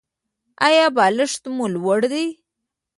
ایا بالښت مو لوړ دی؟